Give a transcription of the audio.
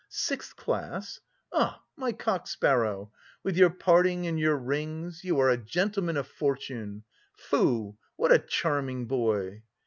"Sixth class! Ah, my cock sparrow! With your parting and your rings you are a gentleman of fortune. Foo! what a charming boy!"